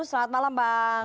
selamat malam bang